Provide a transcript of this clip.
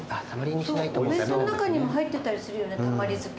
お弁当の中にも入ってたりするよねたまり漬け。